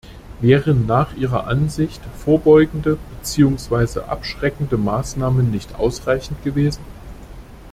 Wären nach ihrer Ansicht vorbeugende bzw. abschreckende Maßnahmen nicht ausreichend gewesen?